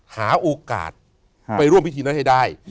หาโอกาสไปร่วมพิธีนั้นให้ได้